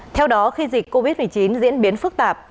theo đó khi dịch covid một mươi chín diễn biến phức tạp